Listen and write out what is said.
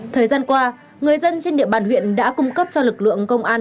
thời gian qua người dân trên địa bàn huyện đã cung cấp cho lực lượng công an